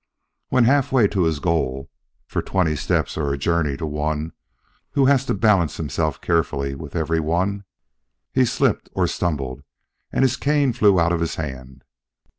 When halfway to his goal, for twenty steps are a journey to one who has to balance himself carefully with every one, he slipped or stumbled, and his cane flew out of his hand.